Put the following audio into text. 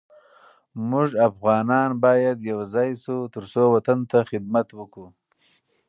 مونږ افغانان باید یوزاي شو ترڅو وطن ته خدمت وکړو